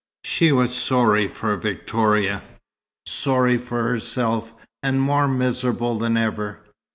She was sorry for Victoria, sorry for herself, and more miserable than ever.